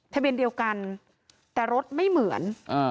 ทะเบียนเดียวกันแต่รถไม่เหมือน